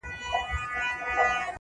• ورور او پلار وژني چي امر د سرکار وي -